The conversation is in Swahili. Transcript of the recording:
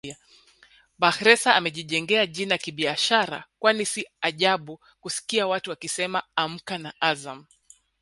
Bakhresa amejijengea jina kibiashara kwani si ajabu kusikia watu wakisema Amka na Azam